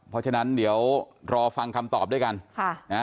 เพราะฉะนั้นเดี๋ยวรอฟังคำตอบด้วยกันค่ะนะฮะ